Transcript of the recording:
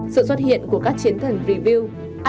sự xuất hiện của các chiến thần review